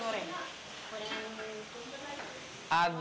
goreng goreng pun ada